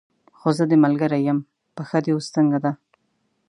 خو زه دې ملګرې یم، پښه دې اوس څنګه ده؟